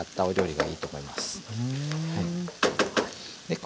はい。